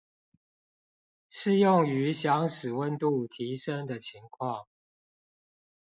適用於想使溫度提升的情況